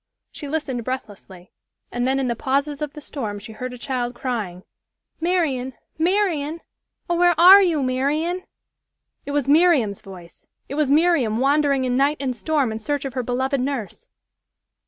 She listened breathlessly and then in the pauses of the storm she heard a child crying, "Marian, Marian! Oh! where are you, Marian?" It was Miriam's voice! It was Miriam wandering in night and storm in search of her beloved nurse.